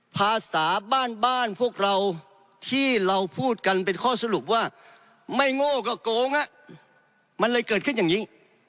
ภาษาบ้านบ้านพวกเราที่เราพูดกันเป็นข้อสรุปว่าไม่โง่ก็โกงมันเลยเกิดขึ้นอย่างนี้